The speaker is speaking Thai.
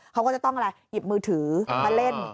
เขาก็จะต้องอะไรหยิบมือถือมาเล่น